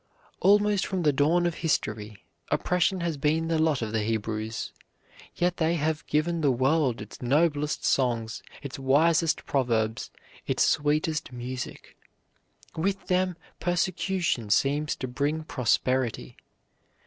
Almost from the dawn of history, oppression has been the lot of the Hebrews, yet they have given the world its noblest songs, its wisest proverbs, its sweetest music. With them persecution seems to bring prosperity.